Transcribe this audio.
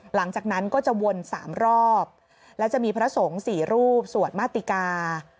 หลังจากนั้นก็จะวน๓รอบและจะมีพระสงฆ์๔รูปสวดมาติกา